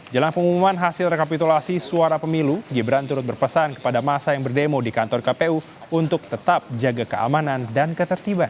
jelang pengumuman hasil rekapitulasi suara pemilu gibran turut berpesan kepada masa yang berdemo di kantor kpu untuk tetap jaga keamanan dan ketertiban